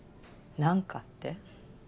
何かって？